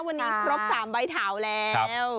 วันนี้ครบ๓ใบเถาแล้ว